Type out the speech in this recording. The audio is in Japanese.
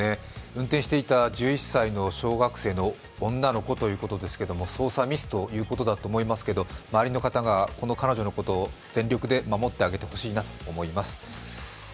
運転していた１１歳の小学生の女の子ということですが操作ミスということだと思いますけど、周りの方がこの彼女のことを全力で守ってあげてほしいと思います。